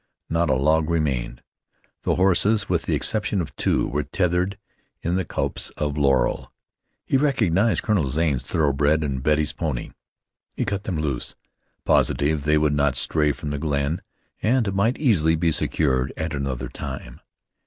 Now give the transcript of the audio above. Not a log remained. The horses, with the exception of two, were tethered in the copse of laurel. He recognized Colonel Zane's thoroughbred, and Betty's pony. He cut them loose, positive they would not stray from the glen, and might easily be secured at another time.